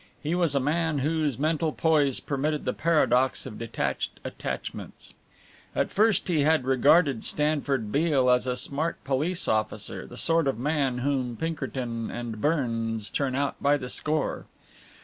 He was a man whose mental poise permitted the paradox of detached attachments. At first he had regarded Stanford Beale as a smart police officer, the sort of man whom Pinkerton and Burns turn out by the score.